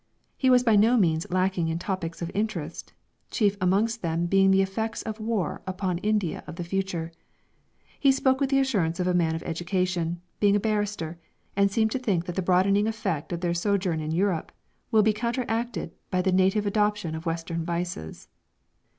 He was by no means lacking in topics of interest, chief amongst them being the effects of war upon India of the future. He spoke with the assurance of a man of education, being a barrister, and seemed to think that the broadening effect of their sojourn in Europe will be counteracted by the native adoption of Western vices.